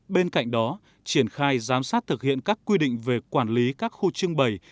bên cạnh đó triển khai giám sát thực hiện các quy định về quản lý các khu trưng bày